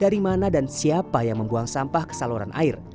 dari mana dan siapa yang membuang sampah ke saluran air